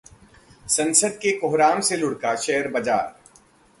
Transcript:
संसद के कोहराम से लुढ़का शेयर बाजार